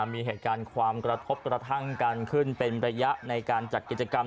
มีเหตุการณ์ความกระทบกระทั่งกันขึ้นเป็นระยะในการจัดกิจกรรม